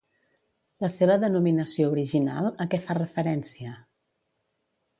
La seva denominació original, a què fa referència?